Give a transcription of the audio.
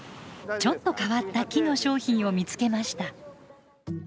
ちょっと変わった木の商品を見つけました。